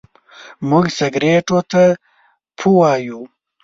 موږ سګرېټو ته پو وايو.